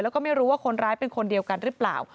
แล้วก็ไม่รู้ว่าคนร้ายเป็นคนเดียวกันหรือเปล่า